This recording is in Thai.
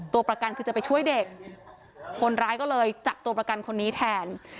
ตัวประกันคือจะไปช่วยเด็กคนร้ายก็เลยจับตัวประกันคนนี้แทน